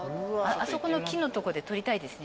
あそこの木のとこで撮りたいですね。